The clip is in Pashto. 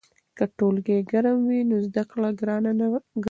که ټولګی ګرم وي نو زده کړه ګرانه وي.